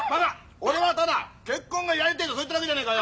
俺はただ結婚がやりてえとそう言っただけじゃねえかよ。